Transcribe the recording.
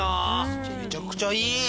めちゃくちゃいい。